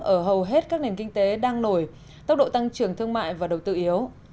ở hầu hết các nền kinh tế đang nổi tốc độ tăng trưởng thương mại và đầu tư yếu